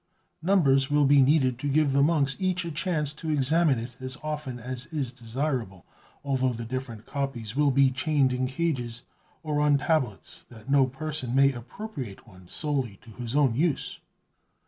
Numbers will be needed to give the monks each a chance to examine it as often as is desirable, although the different copies will be chained in cages, or on tablets, that no person may appropriate one solely to his own use."